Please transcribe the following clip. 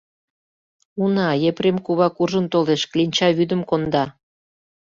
— Уна, Епрем кува куржын толеш, кленча вӱдым конда.